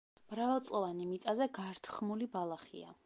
მრავალწლოვანი მიწაზე გართხმული ბალახია.